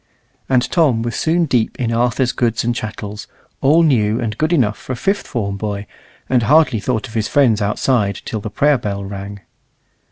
And Tom was soon deep in Arthur's goods and chattels, all new, and good enough for a fifth form boy, and hardly thought of his friends outside till the prayer bell rang.